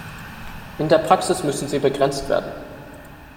In der Praxis müssen sie begrenzt werden.